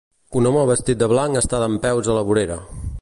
Un home vestit de blanc està dempeus a la vorera.